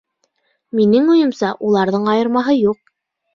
Минең уйымса, уларҙың айырмаһы юҡ..